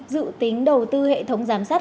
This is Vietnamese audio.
dự tính đầu tư hệ thống giám sát